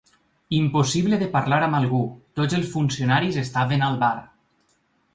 Impossible de parlar amb algú: tots els funcionaris estaven al bar.